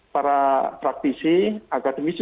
para praktisi akademisi